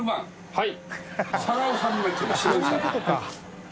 はい。